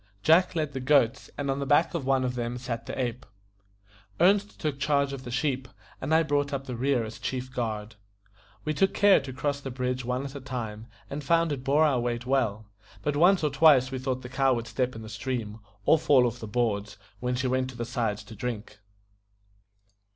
Jack led the goats, and on the back of one of them sat the ape. Ernest took charge of the sheep, and I brought up the rear as chief guard. We took care to cross the bridge one at a time, and found it bore our weight well; but once or twice we thought the cow would step in the stream, or fall off the boards, when she went to the sides to drink.